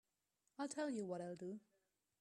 I'll tell you what I'll do.